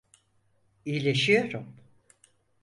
İyileşiyorum.